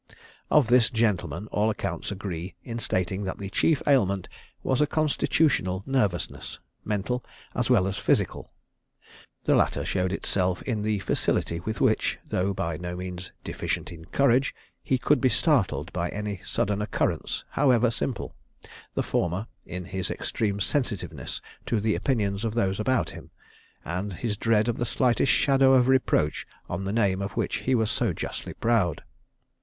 Of this gentleman all accounts agree in stating that the chief ailment was a constitutional nervousness, mental as well as physical. The latter showed itself in the facility with which, though by no means deficient in courage, he could be startled by any sudden occurrence however simple; the former, in his extreme sensitiveness to the opinions of those about him, and his dread of the slightest shadow of reproach on the name of which he was so justly proud.